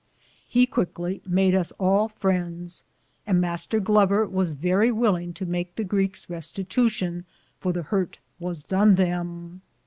He quickly made us all frendes, and Mr. Glover was verrie willinge to make the Greekes restetution for the hurte was Done them.